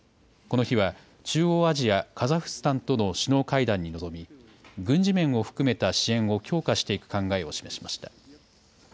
この日は、中央アジア、カザフスタンとの首脳会談に臨み、軍事面を含めた支援を強化していく考えを示しました。